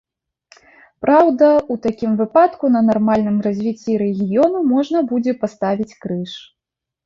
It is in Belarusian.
Праўда, у такім выпадку на нармальным развіцці рэгіёну можна будзе паставіць крыж.